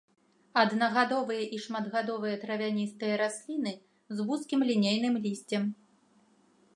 Аднагадовыя і шматгадовыя травяністыя расліны з вузкім лінейным лісцем.